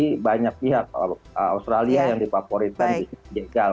karena ada banyak pihak australia yang dipavorikan juga berjegal